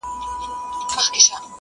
o ستا دی که قند دی ـ